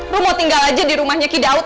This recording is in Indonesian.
bu mau tinggal aja di rumahnya kidaud